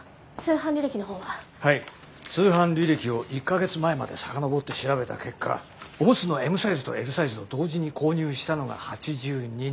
通販履歴を１か月前まで遡って調べた結果オムツのＭサイズとＬサイズを同時に購入したのが８２人。